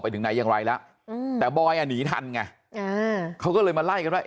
ไปถึงไหนยังไว้แล้วแต่บอยหนีทันไงเขาก็เลยมาไล่กันว่า